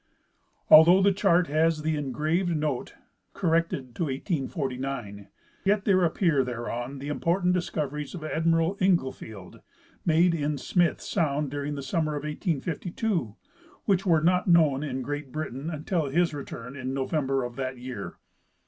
Although the chart has the engraved note, " corrected to 1849," yet there appear thereon the impor tant discoveries of Admiral Inglefield made in Smith sound during the summer of 1852, which were not known in Great • Britain until his return in November of that year.